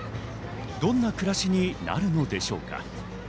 どんな暮らしになるのでしょうか？